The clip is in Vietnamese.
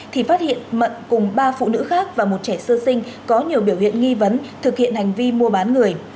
thì phát hiện mận cùng ba phụ nữ khác và một trẻ sơ sinh có nhiều biểu hiện nghi vấn thực hiện hành vi mua bán người